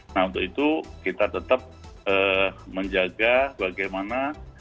nah untuk itu kita tetap menjaga bagaimana